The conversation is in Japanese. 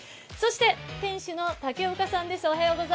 店主の武岡さんです。